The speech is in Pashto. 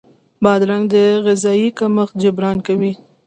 بادرنګ د غذايي کمښت جبران کوي.